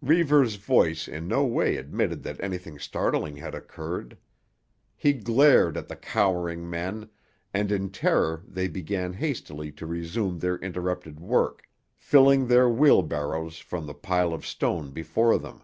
Reivers' voice in no way admitted that anything startling had occurred. He glared at the cowering men, and in terror they began hastily to resume their interrupted work, filling their wheelbarrows from the pile of stone before them.